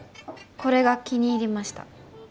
これが気に入りました。